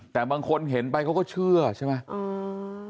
แต่บางคนเห็นไปเขาก็เชื่อใช่ไหม